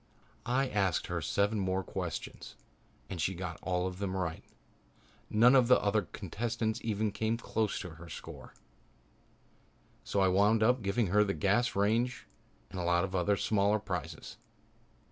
I asked her seven more questions and she got them all right. None of the other contestants even came close to her score, so I wound up giving her the gas range and a lot of other smaller prizes.